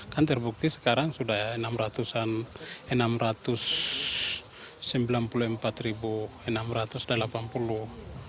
kan terbukti sekarang sudah enam ratus sembilan puluh empat enam ratus delapan puluh